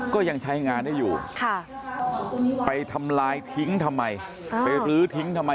ก็ยังใช้งานได้อยู่ไปทำลายทิ้งทำไมไปรื้อทิ้งทำไม